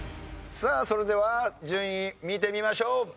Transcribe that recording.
さあそれでは順位見てみましょう。